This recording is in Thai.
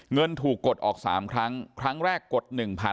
เงินถูกกดออก๓ครั้งครั้งแรกกด๑๐๐๐